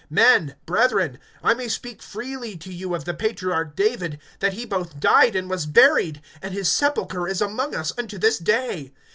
(29)Men, brethren, I may speak freely to you of the patriarch David, that he both died and was buried, and his sepulchre is among us unto this day.